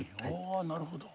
ああなるほど。